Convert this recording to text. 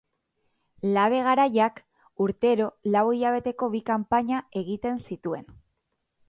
Labe Garaiak urtero lau hilabeteko bi kanpaina egiten zituen.